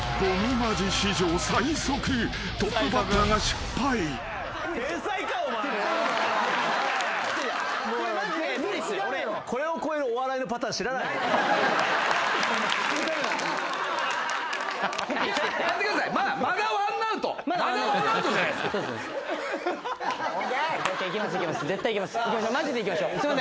マジでいきましょう。